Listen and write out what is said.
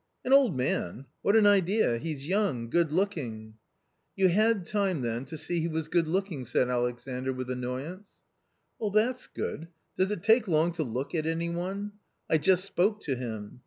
" An old man ! what an idea ! he's young, good look ing !"" You had time then to see he was good looking !" said Alexandr with annoyance. " That's good ! does it take long to look at any one? I just spoke to him.